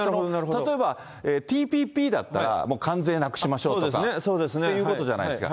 例えばＴＰＰだったら、もう関税なくしましょうとかということじゃないですか。